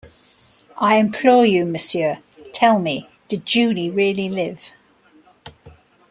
I implore you, Monsieur, tell me: did Julie really live?